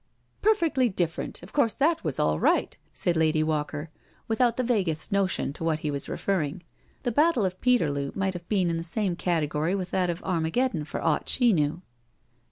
" Perfectly different— of course, that was all right," said Lady Walker, without the vaguest notion to what he was referring. The battle of Peterloo might have been in the same category with that of Armageddon, for aught she knew.